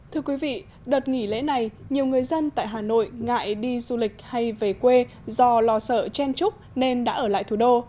thưa quý vị đợt nghỉ lễ này nhiều người dân tại hà nội ngại đi du lịch hay về quê do lo sợ chen trúc nên đã ở lại thủ đô